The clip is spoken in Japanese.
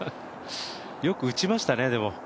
よく打ちましたね、でも。